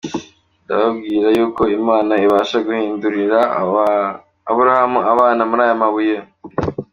Ndababwira yuko Imana ibasha guhindurira Aburahamu abana muri aya mabuye